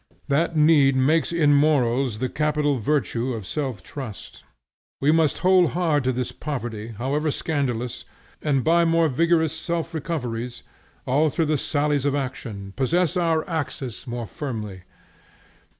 That need makes in morals the capital virtue of self trust. We must hold hard to this poverty, however scandalous, and by more vigorous self recoveries, after the sallies of action, possess our axis more firmly.